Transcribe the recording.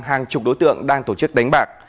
hàng chục đối tượng đang tổ chức đánh bạc